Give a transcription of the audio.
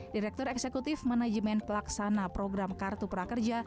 direktur eksekutif manajemen pelaksana program kartu prakerja